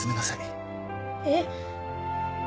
えっ？